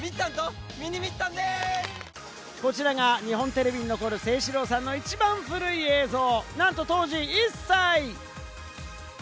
こちらが日本テレビに残る清史郎さんの一番古い映像、なんと当時１歳！